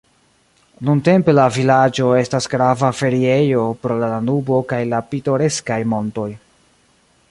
Nuntempe la vilaĝo estas grava feriejo pro la Danubo kaj la pitoreskaj montoj.